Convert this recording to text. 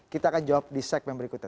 kita akan jawab di segmen berikutnya